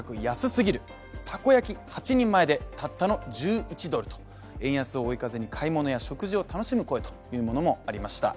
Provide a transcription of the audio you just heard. たこ焼き８人前で、たったの１１ドルと、円安を追い風に買い物や食事を楽しむ声もありました。